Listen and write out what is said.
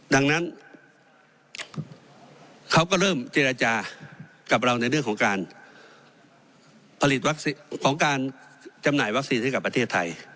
ดังนั้นเขาก็เริ่มเจรจากับเราในเรื่องของการผลิตของการจำหน่ายวัคซีนให้กับประเทศไทย